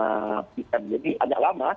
tapi gara gara suhunya agak enak